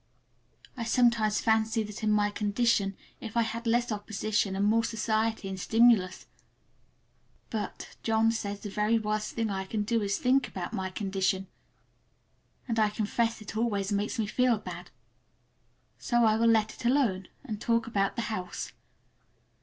I sometimes fancy that in my condition if I had less opposition and more society and stimulus—but John says the very worst thing I can do is to think about my condition, and I confess it always makes me feel bad. So I will let it alone and talk about the house.